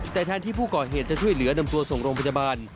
แต่แทนที่ผู้ก่อเหตุจะช่วยเหลือนำตัวส่งโรงพยาบาล